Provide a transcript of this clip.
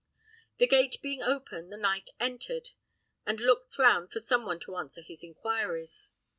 The gate being open, the knight entered, and looked round for some one to answer his inquiries.